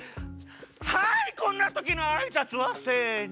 はいこんなときのあいさつは？せの！